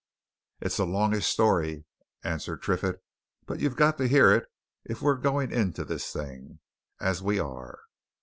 "It's a longish story," answered Triffitt. "But you've got to hear it if we're going into this thing as we are.